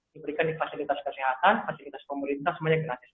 diberikan di fasilitas kesehatan fasilitas pemerintah semuanya gratis